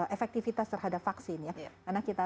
efektivitas terhadap vaksin ya karena kita